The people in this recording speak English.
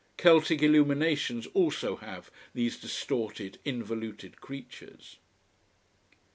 Celtic illuminations also have these distorted, involuted creatures.